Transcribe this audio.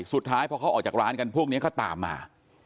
สุดท้ายพอเขาออกจากร้านกันพวกนี้ก็ตามมา